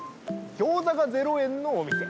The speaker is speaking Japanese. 餃子が０円のお店。